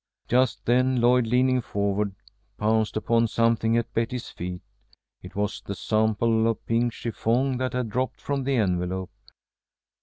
Just then Lloyd, leaning forward, pounced upon something at Betty's feet. It was the sample of pink chiffon that had dropped from the envelope.